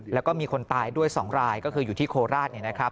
แล้วก็มีคนตายด้วย๒รายก็คืออยู่ที่โคราช